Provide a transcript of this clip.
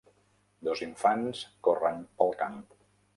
Dos infants corren pel camp.